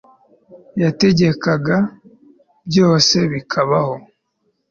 yategeka, byose bikabaho